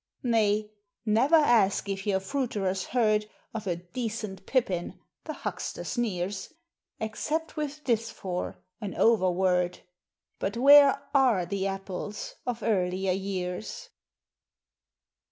Nay, never ask if your fruiterer's heard Of "a decent pippin" (the huckster sneers!) Except with this for, an overword But where are the apples of earlier years?